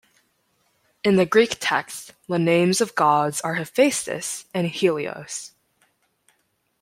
In the Greek text, the names of gods are Hephaestus and Helios.